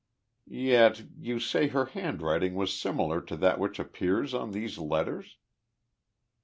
"Yet, you say her handwriting was similar to that which appears on these letters?"